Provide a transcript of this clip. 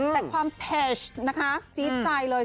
แต่ความเพจนะคะจี๊ดใจเลย